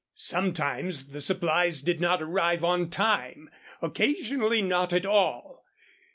Sometimes the supplies did not arrive on time occasionally not at all.